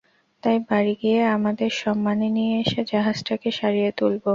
তাই বাড়ি গিয়ে আমাদের সম্মানী নিয়ে এসে, জাহাজটাকে সারিয়ে তুলবো।